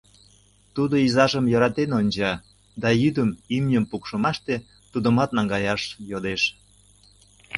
Тудо изажым йӧратен онча да йӱдым имньым пукшымашке тудымат наҥгаяш йодеш.